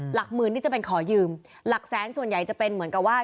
หลักหมื่นนี่จะเป็นขอยืมหลักแสนส่วนใหญ่จะเป็นเหมือนกับว่า